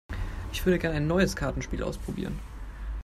Ich würde gerne ein neues Kartenspiel ausprobieren.